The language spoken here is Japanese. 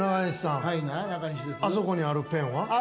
あそこにあるペンは？